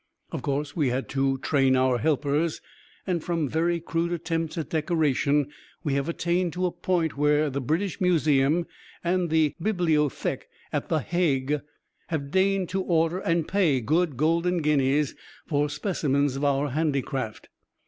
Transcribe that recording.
Of course we have had to train our helpers, and from very crude attempts at decoration we have attained to a point where the British Museum and the "Bibliotheke" at The Hague have deigned to order and pay good golden guineas for specimens of our handicraft.